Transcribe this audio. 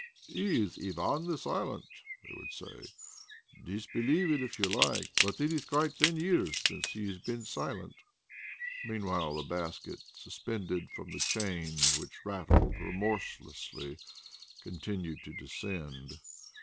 "He is Ivan the Silent," they would say. "Disbelieve it if you like, but it is quite ten years since he has been silent." Meanwhile the bucket suspended from the chain which rattled remorselessly continued to descend.